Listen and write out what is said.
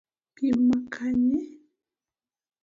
pi makanye?